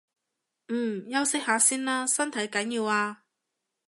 嗯，休息下先啦，身體緊要啊